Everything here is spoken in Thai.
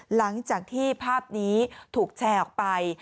หลังจากที่ภาพนี้ถูกแชร์ออกไป